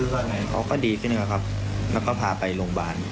เขาก็ดีขึ้นแล้วก็พาไปโรงบาล